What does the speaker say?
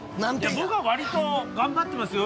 僕は割と頑張ってますよ